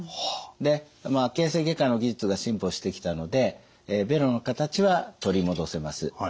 で形成外科の技術が進歩してきたのでベロの形は取り戻せます。